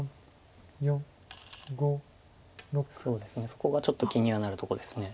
そこがちょっと気にはなるところです。